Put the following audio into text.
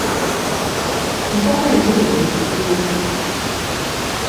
Enkoko enjeru eyitibwa etya?